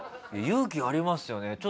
勇気ありますよね